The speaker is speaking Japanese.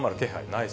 ない